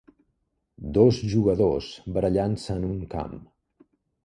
dos jugadors barallant-se en un camp.